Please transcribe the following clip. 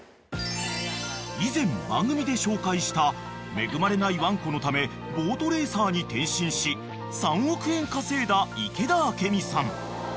［以前番組で紹介した恵まれないワンコのためボートレーサーに転身し３億円稼いだ池田明美さん］